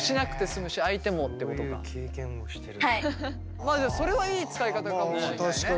まあそれはいい使い方かもしれないね。